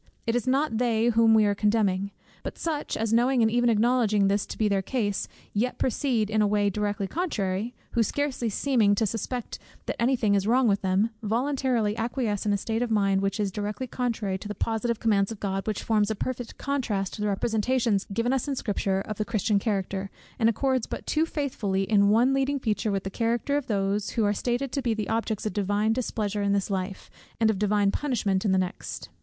It is not they whom we are condemning: but such as knowing and even acknowledging this to be their case, yet proceed in a way directly contrary: who, scarcely seeming to suspect that any thing is wrong with them, voluntarily acquiesce in a state of mind which is directly contrary to the positive commands of God, which forms a perfect contrast to the representations given us in Scripture of the Christian character, and accords but too faithfully in one leading feature with the character of those, who are stated to be the objects of Divine displeasure in this life, and of Divine punishment in the next.